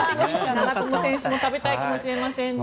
長友選手も食べたいかもしれませんね。